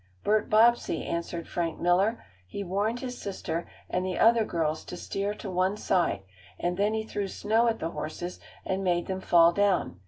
"Bert Bobbsey," answered Frank Miller. "He warned his sister and the other girls to steer to one side, and then he threw snow at the horses and made them fall down.